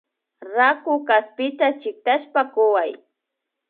Raku kaspita chiktashpa kuway